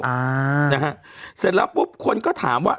อ่านะฮะเสร็จแล้วปุ๊บคนก็ถามว่า